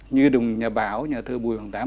như đồng nhà báo nhà thơ bùi hoàng tám